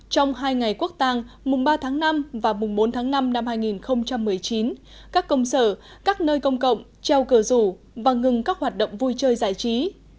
trong hai ngày quốc tàng mùng ba tháng năm và mùng bốn tháng năm năm hai nghìn một mươi chín các công sở các nơi công cộng treo cờ rủ và ngừng các hoạt động vui chơi giải trí